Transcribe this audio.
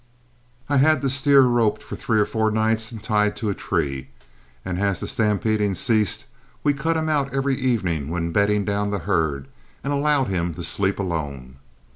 I had the steer roped for three or four nights and tied to a tree, and as the stampeding ceased we cut him out every evening when bedding down the herd, and allowed him to sleep alone.